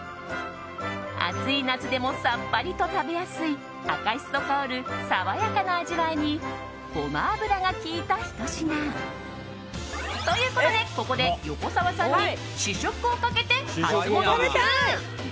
暑い夏でもさっぱりと食べやすい赤しそ香る爽やかな味わいにゴマ油が効いたひと品。ということで、ここで横澤さんに試食をかけてハツモノＱ。